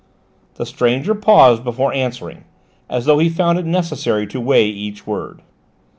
The stranger paused before answering, as though he found it necessary to weigh each word.